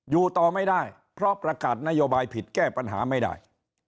อยู่ต่อไม่ได้เพราะประกาศนโยบายผิดแก้ปัญหาไม่ได้